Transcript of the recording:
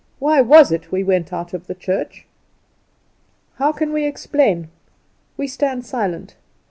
Why was it we went out of the church. How can we explain? we stand silent.